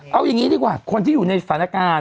เอาอย่างนี้ดีกว่าคนที่อยู่ในสถานการณ์